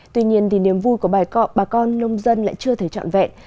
tuy nhiên niềm vui của bài cọp bà con nông dân lại chưa thể chọn vẹn